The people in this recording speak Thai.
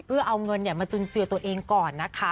เพื่อเอาเงินมาจุนเจือตัวเองก่อนนะคะ